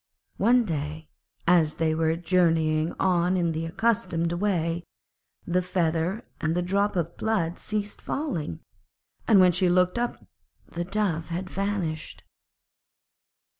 One day as they were journeying on in the accustomed way, the feather and the drop of blood ceased falling, and when she looked up the Dove had vanished.